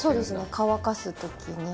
乾かす時に。